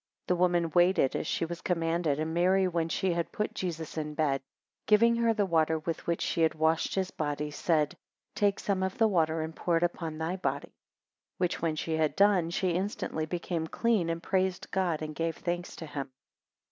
5 The woman waited, as she was commanded; and Mary when she had put Jesus in bed, giving her the water with which she had washed his body, said, Take some of the water, and pour it upon thy body; 6 Which when she had done, she instantly became clean, and praised God, and gave thanks to him.